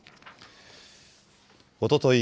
おととい